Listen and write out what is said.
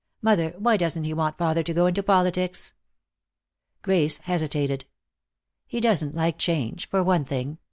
Mother, why doesn't he want father to go into politics?" Grace hesitated. "He doesn't like change, for one thing.